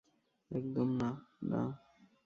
একদম না, না।